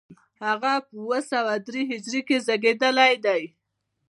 هغه په اوه سوه درې هجري کې زېږېدلی دی.